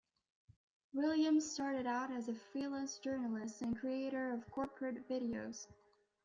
Williams started out as a freelance journalist and creator of corporate videos.